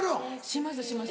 しますします